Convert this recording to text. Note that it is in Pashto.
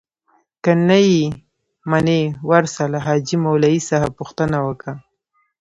که نې منې ورسه له حاجي مولوي څخه پوښتنه وکه.